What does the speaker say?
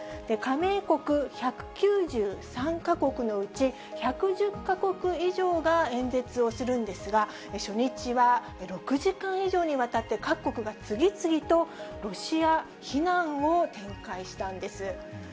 加盟国１９３か国のうち、１１０か国以上が演説をするんですが、初日は６時間以上にわたって各国が次々とロシア非難を展開したんです。